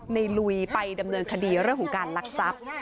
ลุยไปดำเนินคดีเรื่องของการลักทรัพย์